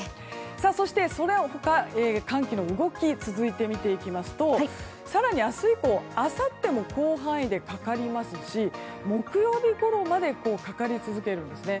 そして、その他寒気の動きを続いて見ていきますと更に、明日以降、あさっても広範囲でかかりますし木曜日ごろまでかかり続けるんです。